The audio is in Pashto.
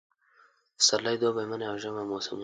پسرلی، دوبی، منی اوژمی موسمونه